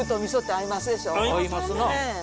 合いますな。